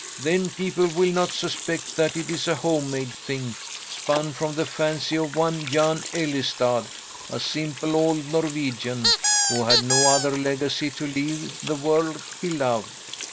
Then people will not suspect that it is a home made thing, spun from the fancy of one Jan Ellestad, a simple old Norwegian, who had no other legacy to leave the world he loved.